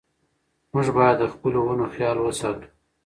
موږ باید د خپلو ونو خیال وساتو.